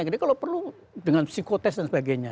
jadi kalau perlu dengan psikotest dan sebagainya